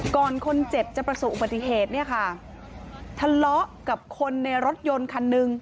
ก่อนคนเจ็บจะประสบอุบัติเหตุเนี่ยค่ะทะเลาะกับคนในรถยนต์คันหนึ่ง